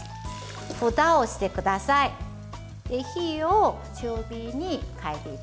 ふたをしてください。